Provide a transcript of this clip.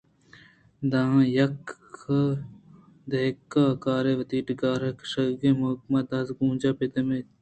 دئین یک دہقان کارے ءَ وتی ڈگار ءَ کِشتگیں مکّئیاں دزّیں کُونجاں پہ دامے چیر کُت